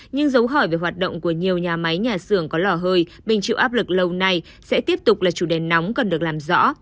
nhưng dấu hỏi về hoạt động của nhiều nhà máy nhà xưởng có lò hơi bình chịu áp lực lâu nay sẽ tiếp tục là chủ đề nóng cần được làm rõ